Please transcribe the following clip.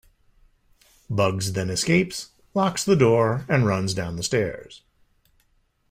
Bugs then escapes, locks the door, and runs down the stairs.